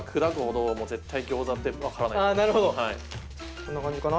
こんな感じかな？